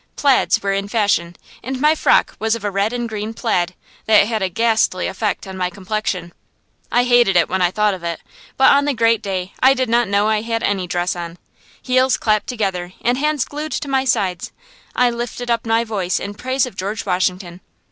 "Plaids" were in fashion, and my frock was of a red and green "plaid" that had a ghastly effect on my complexion. I hated it when I thought of it, but on the great day I did not know I had any dress on. Heels clapped together, and hands glued to my sides, I lifted up my voice in praise of George Washington.